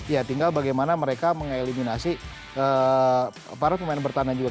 ya tinggal bagaimana mereka mengeliminasi para pemain bertahan juga